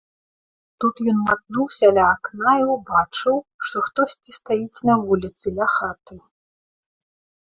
Тут ён матнуўся ля акна і ўбачыў, што хтосьці стаіць на вуліцы ля хаты.